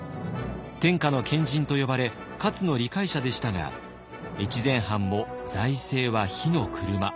天下の賢人と呼ばれ勝の理解者でしたが越前藩も財政は火の車。